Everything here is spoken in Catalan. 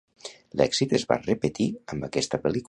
L'èxit es va repetir amb aquesta pel·lícula.